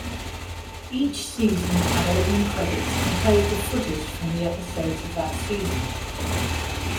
Each season had opening credits composed of footage from the episodes of that season.